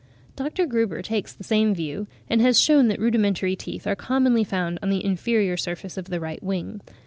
Dr. Gruber takes the same view, and has shewn that rudimentary teeth are commonly found on the inferior surface of the right wing.